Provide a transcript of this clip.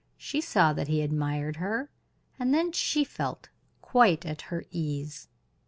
She saw that he admired her, and then she felt quite at her ease.